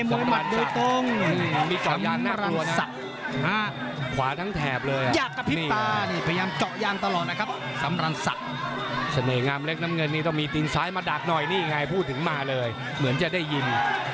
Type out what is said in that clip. บรรเวอเตอร์มหาชนคุณส่องชัยรัฒนาสุบัน